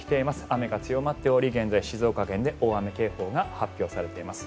雨が強まっており現在、静岡県で大雨警報が発表されています。